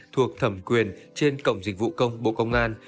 thuộc thẩm quyền trên cổng dịch vụ công bộ công an